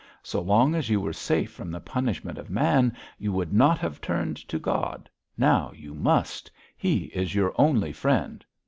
So long as you were safe from the punishment of man you would not have turned to God. Now you must. He is your only friend.'